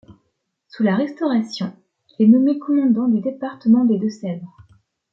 Sous la Restauration, il est nommé commandant du département des Deux-Sèvres.